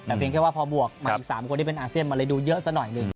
แต่เพียงแค่ว่าพอบวกมาอีก๓คนที่เป็นอาเซียนมันเลยดูเยอะซะหน่อยหนึ่ง